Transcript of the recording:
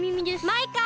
マイカ